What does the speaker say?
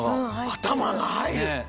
頭が入る！